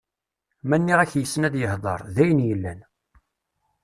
Ma nniɣ-ak yessen ad yehder, d ayen yellan.